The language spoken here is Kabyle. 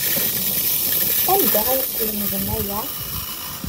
Anda ay tlemdem aya?